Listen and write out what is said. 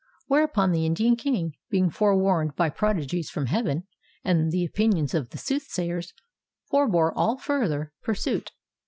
Whereupon the Indian king, being forewarned by prodigies from heaven, and the opinions of the soothsayers, forbore all further pursuit.